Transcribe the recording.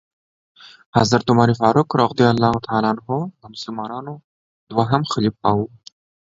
حضرت عمرفاروق رضی الله تعالی عنه د مسلمانانو دوهم خليفه وو .